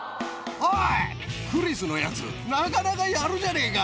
おい、クリスのやつ、なかなかやるじゃねぇか。